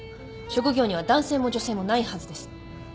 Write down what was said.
職業には男性も女性もないはずです。